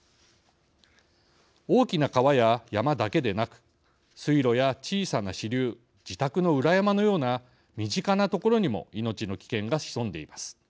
大きな川や山だけでなく水路や小さな支流自宅の裏山のような身近な所にも命の危険が潜んでいます。